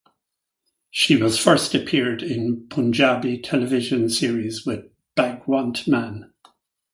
She was first appeared in Punjabi television series with Bhagwant Mann.